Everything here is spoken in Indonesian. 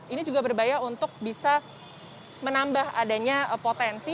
ini juga berbahaya untuk bisa menambah adanya potensi